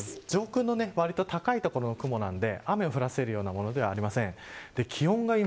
上空の割と高い所の雲なので雨を降らせるようなものではありません。